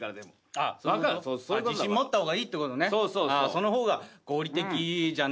その方が合理的じゃないけど。